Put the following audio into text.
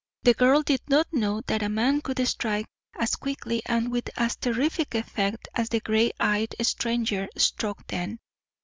The girl did not know that a man could strike as quickly and with as terrific effect as the gray eyed stranger struck then.